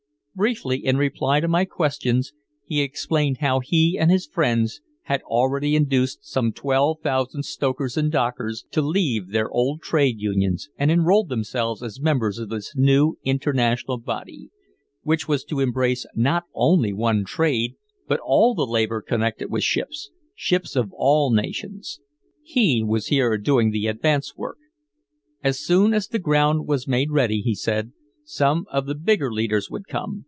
Briefly, in reply to my questions, he explained how he and his friends had already induced some twelve thousand stokers and dockers to leave their old trade unions and enroll themselves as members of this new international body, which was to embrace not only one trade but all the labor connected with ships ships of all nations. He was here doing the advance work. As soon as the ground was made ready, he said, some of the bigger leaders would come.